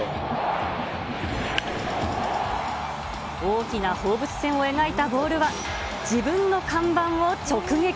大きな放物線を描いたボールは、自分の看板を直撃。